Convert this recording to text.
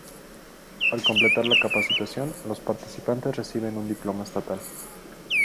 Al completar la capacitación, los participantes reciben un diploma estatal.